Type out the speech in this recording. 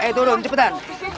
ayo turun cepetan